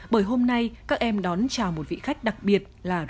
bởi hôm nay các em đón chào một vị khách đặc biệt là